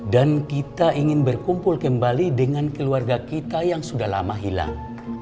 dan kita ingin berkumpul kembali dengan keluarga kita yang sudah lama hilang